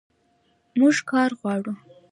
موږ کار غواړو